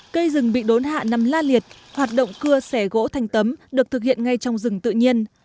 cây rừng bị đốn hạ nằm la liệt hoạt động cưa xẻ gỗ thành tấm được thực hiện ngay trong rừng tự nhiên